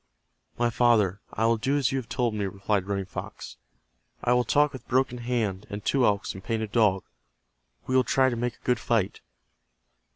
"My father, I will do as you have told me," replied Running Fox. "I will talk with Broken Hand, and Two Elks and Painted Dog. We will try to make a good fight."